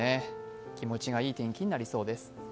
気持ちがいい天気になりそうです。